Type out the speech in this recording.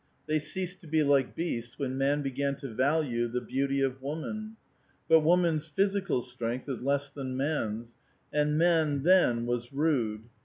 They ceased to be like beasts when man began to value the beauty of woman. But woman's physical strength is less than man's ; and man then was rude.